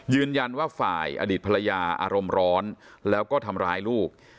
ยืนยันว่าฝ่ายอดีตภรรยาอารมณ์ร้อนแล้วก็ทำร้ายลูก